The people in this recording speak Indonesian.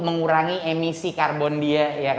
mengurangi emisi karbon dia